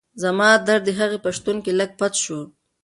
زما درد د هغې په شتون کې لږ پڅ شو.